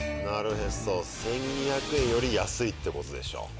なるへそ１，２００円より安いってことでしょ。